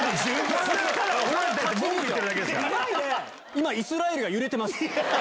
今イスラエルが揺れてます。